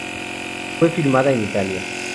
Fue filmada en Italia.